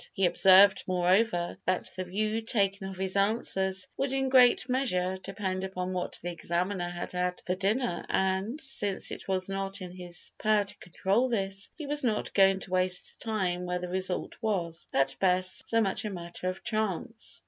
He observed, moreover, that the view taken of his answers would in great measure depend upon what the examiner had had for dinner and, since it was not in his power to control this, he was not going to waste time where the result was, at best, so much a matter of chance.